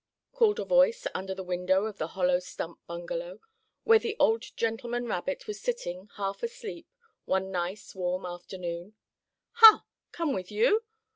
called a voice under the window of the hollow stump bungalow, where the old gentleman rabbit was sitting, half asleep, one nice, warm afternoon. "Ha! Come with you?